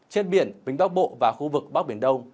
trên biển vĩnh bắc bộ và khu vực bắc biển đông